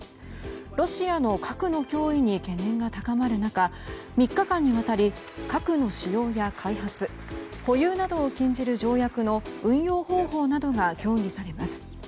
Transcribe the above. ロシアの核の脅威に懸念が高まる中３日間にわたり核の使用や開発保有などを禁じる条約の運用方法などが協議されます。